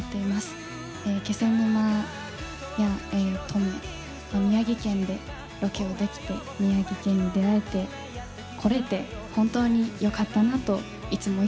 気仙沼や登米宮城県でロケをできて宮城県に出会えて来れて本当によかったなといつもいつも胸に思っています。